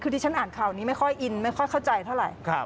คือที่ฉันอ่านข่าวนี้ไม่ค่อยอินไม่ค่อยเข้าใจเท่าไหร่